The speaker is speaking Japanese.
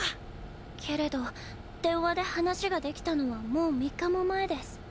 けれど電話で話ができたのはもう３日も前デス。